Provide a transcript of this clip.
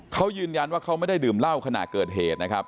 เขายืนยันว่าเขาไม่ได้ดื่มเหล้าขณะเกิดเหตุนะครับ